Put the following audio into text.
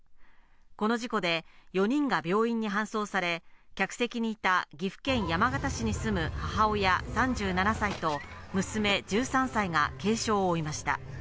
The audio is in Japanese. この事故で４人が病院に搬送され、客席にいた岐阜県山県市に住む母親３７歳と娘１３歳が軽傷を負いました。